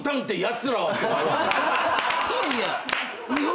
いやいや。